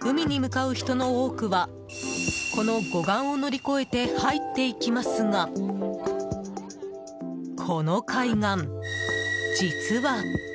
海に向かう人の多くはこの護岸を乗り越えて入っていきますがこの海岸、実は。